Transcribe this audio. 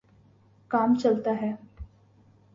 کام چلتا ہے۔